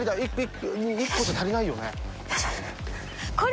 １個じゃ足りないよね？